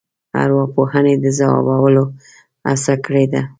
ارواپوهنې د ځوابولو هڅه کړې ده.